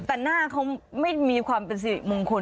แต่หน้าเขาไม่มีความเป็นสิริมงคล